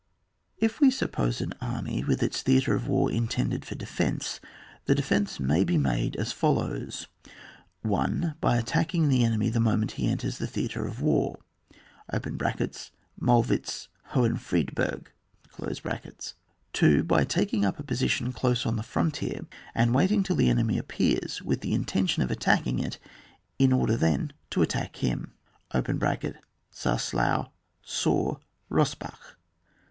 If we suppose an army with its theatre of war intended for defence, the defence may be made as follows : 1. By attacking the enemy the mo ment he enters the theatre of war. (Mollwitz, HohenMedberg). 2. By taking up a position dose on the frontier, and waiting till the enemy appears with the intention of attacking it, in order then to attack him (Czaslau, Boor, Bosbach).